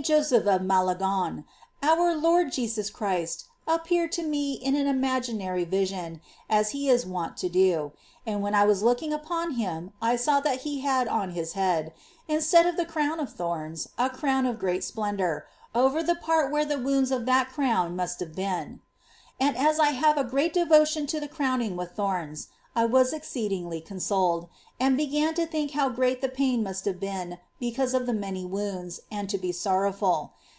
Joseph of Malagon, our Lord Jesus Christ ap peared to me in an imaginary vision, as He is wont to do ; and when I was looking upon Him I saw that He had on His head, instead of the crown of thorns, a crown of great splendour, over the part where the wounds of that crown must have been. And as I have a great devotion to the crowning with thorns, I was exceedingly consoled, and began to think how great the pain must have been because of the many wounds, and to be sorrowful.